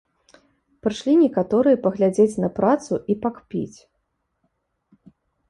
Прышлі некаторыя паглядзець на працу і пакпіць.